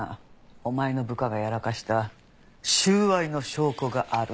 「お前の部下がやらかした収賄の証拠がある」って。